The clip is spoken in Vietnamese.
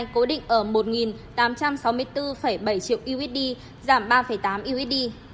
cố định ở một tám trăm sáu mươi bốn bảy triệu usd giảm ba tám usd